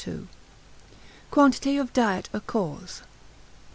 —_Quantity of Diet a Cause.